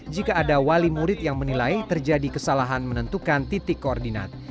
jika ada wali murid yang menilai terjadi kesalahan menentukan titik koordinat